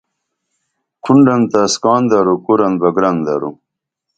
کھنڈن تہ اسکان دروکُرن بہ گرن درو